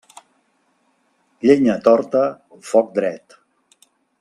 Llenya torta, foc dret.